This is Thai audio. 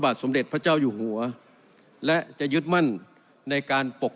สมเด็จพระเจ้าอยู่หัวและจะยึดมั่นในการปก